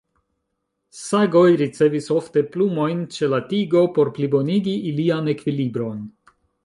Sagoj ricevis ofte plumojn ĉe la tigo por plibonigi ilian ekvilibron.